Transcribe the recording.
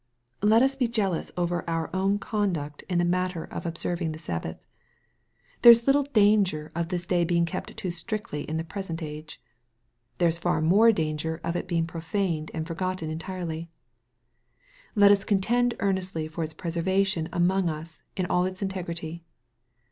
Let us be jealous over our own conduct in the matter 42 EXPOSITORY THOUGHTS of observing the Sabbath. There is little danger of the day being kept too strictly in the present age. There is far more danger of its being profaned and forgotten entirely. Let us contend earnestly for its preservation among us in all its integrity.